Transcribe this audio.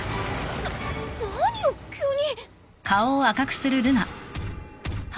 な何よ急に。